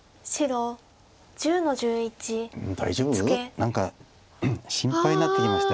何か心配になってきました。